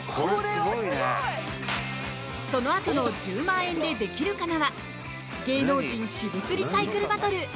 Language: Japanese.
そのあとの「１０万円でできるかな」は芸能人私物リサイクルバトル！